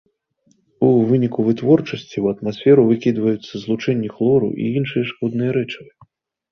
У выніку вытворчасці ў атмасферу выкідваюцца злучэнні хлору і іншыя шкодныя рэчывы.